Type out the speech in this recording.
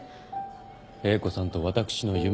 英子さんと私の夢。